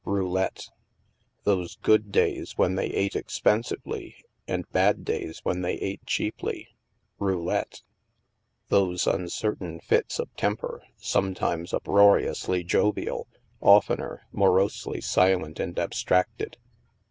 Roulette. Those good days when they ate expensively and bad days when they ate cheaply ! Roulette. Those uncertain fits of temper, sometimes up roariously jovial, oftener morosely silent and ab stracted